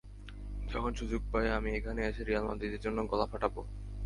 যখন সুযোগ পাই আমি এখানে এসে রিয়াল মাদ্রিদের জন্য গলা ফাটাব।